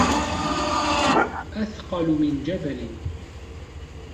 أثقل من جبل